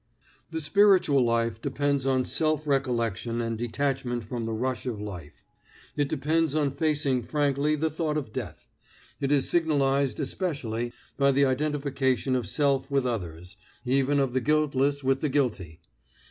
The spiritual life depends on self recollection and detachment from the rush of life; it depends on facing frankly the thought of death; it is signalized, especially, by the identification of self with others, even of the guiltless with the guilty.